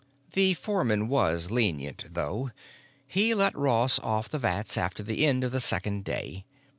The foreman was lenient, though; he let Ross off the vats after the end of the second day.